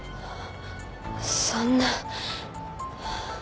そんな。